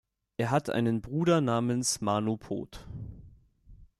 Er hat einen Bruder namens Mano Pooth.